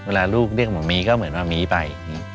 เวลาลูกเรียกหมอมีก็เหมือนว่ามีไป